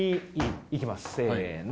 いきますせの。